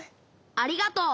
ありがとう。